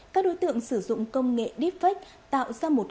các đối tượng sử dụng công nghệ deepfake tạo ra một